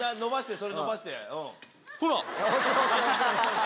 それ。